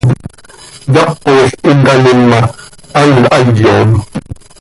Yapol hin taanim ma, hant hayom.